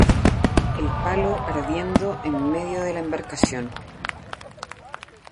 El palo ardiendo en medio de la embarcación.